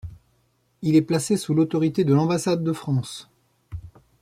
Il est placé sous l'autorité de l'Ambassade de France.